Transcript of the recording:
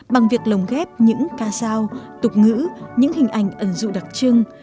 bằng việc lồng ghép những ca giao tục ngữ những hình ảnh ẩn dụ đặc trưng